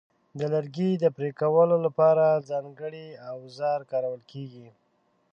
د لرګي د پرې کولو لپاره ځانګړي اوزار کارول کېږي.